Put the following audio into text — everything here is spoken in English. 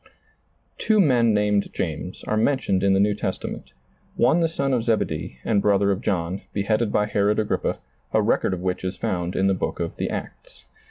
Two men nameti James are mentioned in the New Testament, one the son of Zebedee and brother of John, bt headed by Herod Agrippa, a record of which is found in the book of The Acts.